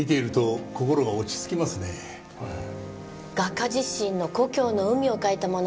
画家自身の故郷の海を描いたものです。